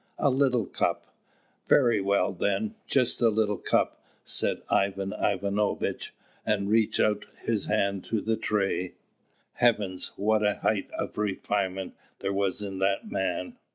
"A little cup!" "Very well, then, just a little cup," said Ivan Ivanovitch, and reached out his hand to the tray. Heavens! What a height of refinement there was in that man!